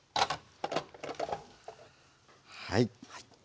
はい。